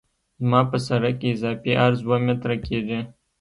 زما په سرک کې اضافي عرض اوه متره کیږي